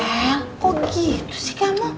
emang kok gitu sih kamu